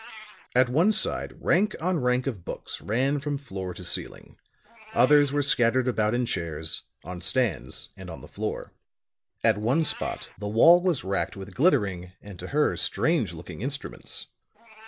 At one side, rank on rank of books ran from floor to ceiling; others were scattered about in chairs, on stands and on the floor. At one spot the wall was racked with glittering, and to her, strange looking instruments.